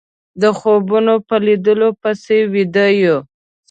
د خوبونو په ليدو پسې ويده يو